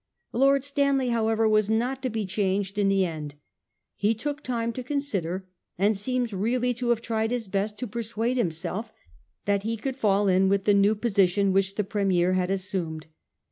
Lord Stanley, however, was not to be changed in the end. He took time to consider, and seems really to have tried his best to persuade himself that he could fall in with the new position which the Premier had assumed.